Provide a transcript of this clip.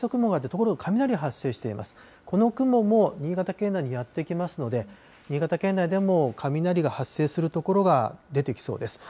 この雲も新潟県内にやって来ますので、新潟県内でも雷が発生する所が出てきそうです。